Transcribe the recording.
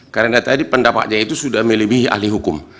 karena tadi pendapatnya itu sudah melebihi ahli hukum